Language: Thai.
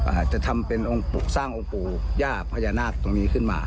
อาจจะทำเป็นองค์สร้างองค์ปู่ย่าพญานาคตรงนี้ขึ้นมา